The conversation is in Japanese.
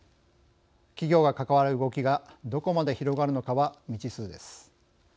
企業が関わる動きがどこまで広がるのかは未知数です。